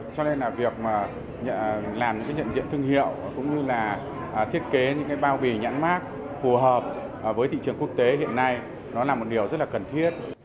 cho nên là việc làm những cái nhận diện thương hiệu cũng như là thiết kế những cái bao bì nhãn mát phù hợp với thị trường quốc tế hiện nay nó là một điều rất là cần thiết